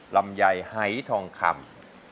ลำไยไฮทองคำ